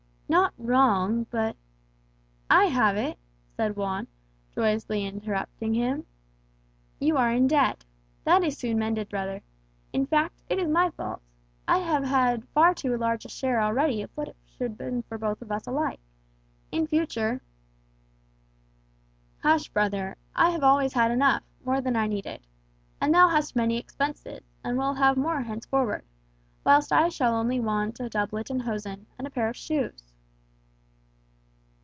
"Not wrong, but " "I have it!" said Juan, joyously interrupting him. "You are in debt. That is soon mended, brother. In fact, it is my fault. I have had far too large a share already of what should have been for both of us alike. In future " "Hush, brother. I have always had enough, more than I needed. And thou hast many expenses, and wilt have more henceforward, whilst I shall only want a doublet and hosen, and a pair of shoes."